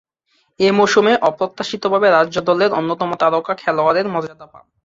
এ মৌসুমে অপ্রত্যাশিতভাবে রাজ্য দলের অন্যতম তারকা খেলোয়াড়ের মর্যাদা পান।